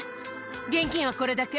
現金はこれだけ？